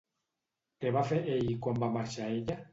Què va fer ell quan va marxar ella?